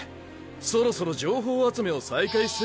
そろそろ情報集めを再開する。